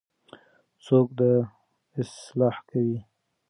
څوک دا اصلاح کوي؟